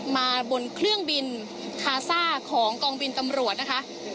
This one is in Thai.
มาบนเครื่องบินคาซ่าของกองบินตำรวจนะคะ